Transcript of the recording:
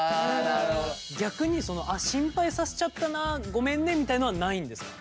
逆に心配させちゃったなごめんねみたいのはないんですか？